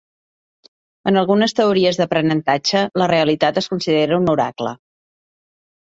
En algunes teories d'aprenentatge, la realitat es considera un oracle.